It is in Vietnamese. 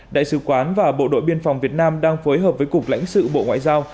đại sứ quán và bộ đội biên phòng việt nam đang phối hợp với cục lãnh sự bộ ngoại giao